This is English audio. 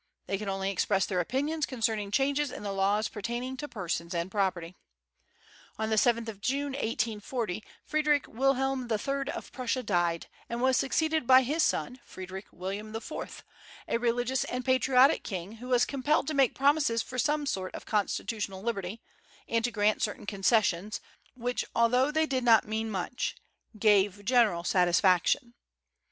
They could only express their opinions concerning changes in the laws pertaining to persons and property. On the 7th of June, 1840, Frederick William III. of Prussia died, and was succeeded by his son Frederick William IV., a religious and patriotic king, who was compelled to make promises for some sort of constitutional liberty, and to grant certain concessions, which although they did not mean much gave general satisfaction.